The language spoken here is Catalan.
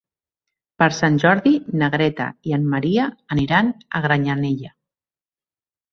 Per Sant Jordi na Greta i en Maria iran a Granyanella.